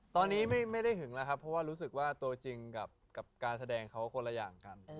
ตอนนี้ไม่ได้หึงแล้วครับเพราะว่ารู้สึกว่าตัวจริงกับการแสดงเขาคนละอย่างกัน